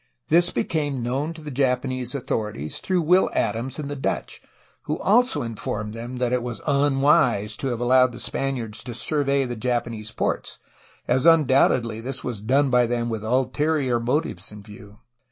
This became known to the Japanese authorities through Will Adams and the Dutch, who also informed them that it was unwise to have allowed the Span iards to survey the Japanese ports, as undoubtedly this was done by them with ulterior motives in view.